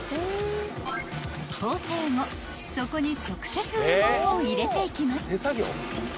［縫製後そこに直接羽毛を入れていきます］